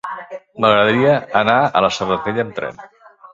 M'agradaria anar a la Serratella amb tren.